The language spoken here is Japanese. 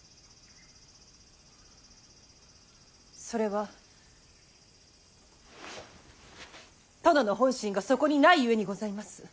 それは殿の本心がそこにないゆえにございます。